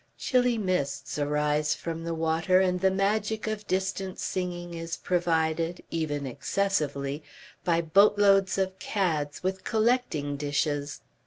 Chilly mists arise from the water and the magic of distant singing is provided, even excessively, by boatloads of cads with collecting dishes.